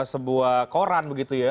sebuah koran begitu ya